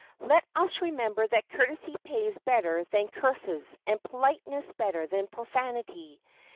Let us remember that courtesy pays better than curses, and politeness better than profanity.